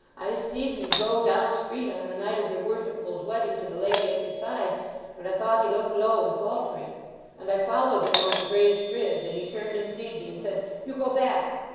I seed en go down street on the night of your worshipful's wedding to the lady at yer side, and I thought he looked low and faltering. And I followed en over Grey's Bridge, and he turned and zeed me, and said, 'You go back!